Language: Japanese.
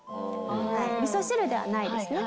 味噌汁ではないですね。